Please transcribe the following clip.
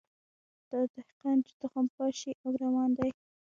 دا دهقان چي تخم پاشي او روان دی